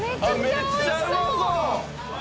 めっちゃうまそう！